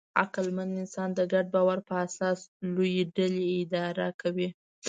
عقلمن انسان د ګډ باور په اساس لویې ډلې اداره کوي.